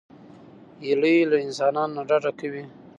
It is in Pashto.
هیلۍ له انسانانو نه ډډه کوي